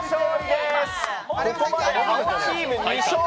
ここまで青チーム２勝。